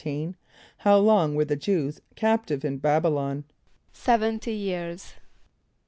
= How long were the Jew[s+] captives in B[)a]b´[)y] lon? =Seventy years.